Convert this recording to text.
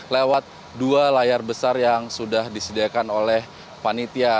lewat dua layar besar yang sudah disediakan oleh panitia